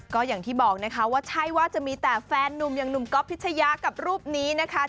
ก็อย่างที่บอกนะคะว่าใช่ว่าจะมีแต่แฟนนุ่มอย่างหนุ่มก๊อฟพิชยากับรูปนี้นะคะ